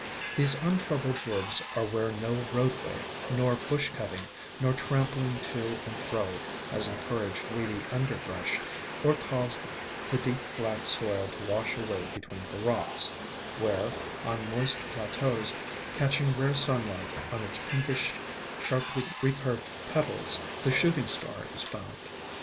These untroubled woods are where no roadway, nor bush cutting, nor trampling to and fro has encouraged weedy under brush, or caused the deep black soil to wash away between the rocks ; where, on moist plateaus, catching rare sunlight on its pinkish, sharply recurved petals, the Shooting Star is found.